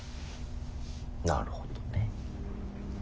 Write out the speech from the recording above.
なるほどね。